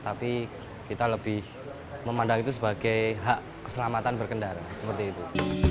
tapi kita lebih memandang itu sebagai hak keselamatan berkendara seperti itu